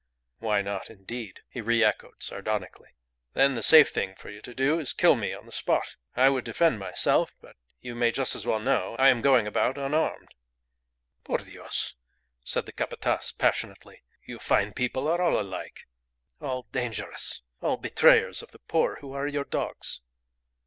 "Why not, indeed?" he reechoed, sardonically. "Then the safe thing for you is to kill me on the spot. I would defend myself. But you may just as well know I am going about unarmed." "Por Dios!" said the Capataz, passionately. "You fine people are all alike. All dangerous. All betrayers of the poor who are your dogs."